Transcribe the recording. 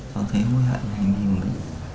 cháu thấy hối hận là anh mình mới